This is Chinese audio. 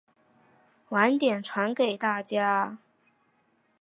晚点传给大家